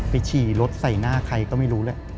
ฉี่รถใส่หน้าใครก็ไม่รู้แหละ